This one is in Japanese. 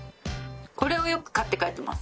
これをよく買って帰ってます。